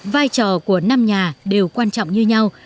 vai trò của năm nhà đều quan trọng như nhau